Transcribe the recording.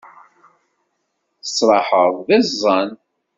Tettraḥeḍ d iẓẓan.